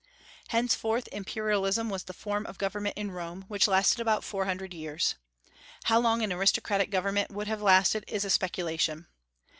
Henceforth imperialism was the form of government in Rome, which lasted about four hundred years. How long an aristocratic government would have lasted is a speculation.